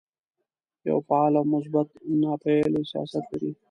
یو فعال او مثبت ناپېیلی سیاست لري.